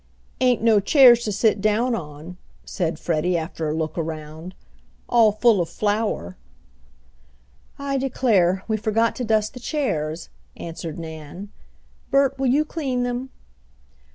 "Ain't no chairs to sit down on," said Freddie, after a look around. "All full of flour." "I declare, we forgot to dust the chairs," answered Nan. "Bert, will you clean them?"